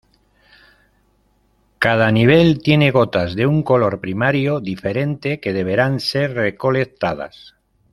Cada nivel tiene gotas de un color primario diferente que deberán ser recolectadas.